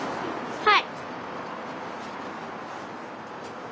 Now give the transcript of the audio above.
はい。